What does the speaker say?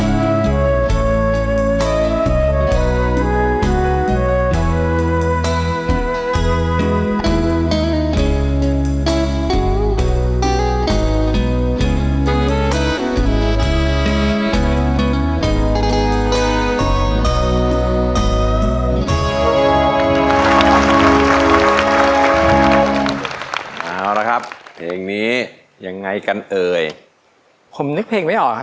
เอาละครับเพลงนี้ยังไงกันเอ่ยผมนึกเพลงไม่ออกครับ